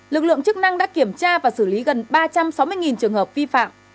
lực lượng chức năng đã kiểm tra và xử lý gần ba trăm sáu mươi trường hợp vi phạm